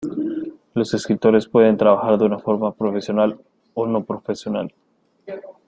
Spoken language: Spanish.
Los escritores pueden trabajar de una forma profesional o no profesional.